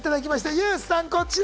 ＹＯＵさんこちら！